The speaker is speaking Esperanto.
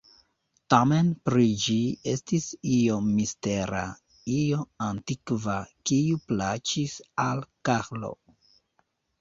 Tamen pri ĝi estis io mistera, io antikva, kiu plaĉis al Karlo.